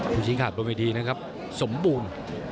ผู้ชิงขับลงเวทีนะครับสมบูรณ์